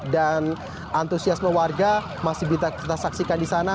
dan antusiasme warga masih bisa kita saksikan di sana